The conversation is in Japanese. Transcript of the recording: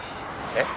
え？